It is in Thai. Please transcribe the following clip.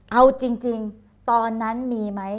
เอาจริงตอนนั้นมีไหม